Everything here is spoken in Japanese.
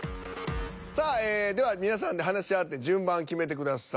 さあでは皆さんで話し合って順番を決めてください。